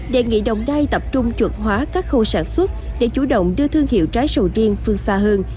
đề nghị đồng nai tập trung chuẩn hóa các khâu sản xuất để chủ động đưa thương hiệu trái sầu riêng phương xa hơn